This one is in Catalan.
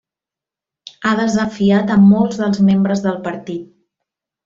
Ha desafiat a molts dels membres del partit.